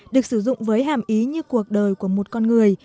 được sử dụng với hàm ý như cuộc đời của một con người